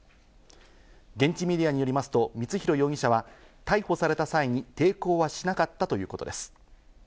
現地メディアによりますと、光弘容疑者は逮捕された際に抵抗しなかったということです。